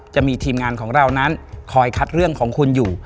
จะมีทีมงานของเรานั้นคอยคัดเรื่องของคุณอยู่